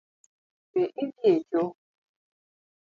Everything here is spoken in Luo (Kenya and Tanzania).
Be idhi e choo?